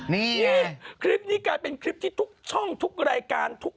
นี่คลิปนี้กลายเป็นคลิปที่ทุกช่องทุกรายการทุก